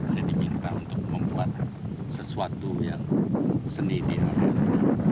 saya diminta untuk membuat sesuatu yang seni di ambon